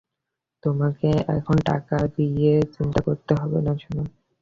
তোমাকে এখন টাকা নিয়ে চিন্তা করতে হবে না সোনা।